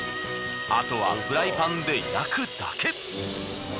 あとはフライパンで焼くだけ。